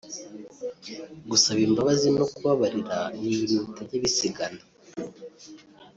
Gusaba imbabazi no kubabarira n’ibintu bitajya bisigana